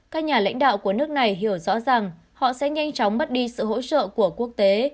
các nhà lãnh đạo của nước này hiểu rõ rằng họ sẽ nhanh chóng mất đi sự hỗ trợ của quốc tế